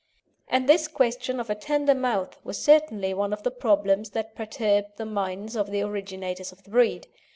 And this question of a tender mouth was certainly one of the problems that perturbed the minds of the originators of the breed.